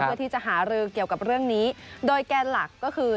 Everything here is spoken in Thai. เพื่อที่จะหารือเกี่ยวกับเรื่องนี้โดยแกนหลักก็คือ